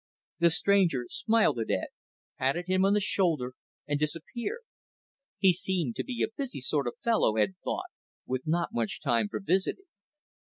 The stranger smiled at Ed, patted him on the shoulder, and disappeared. He seemed to be a busy sort of fellow, Ed thought, with not much time for visiting.